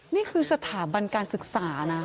นี่คือสถาบันการศึกษานะ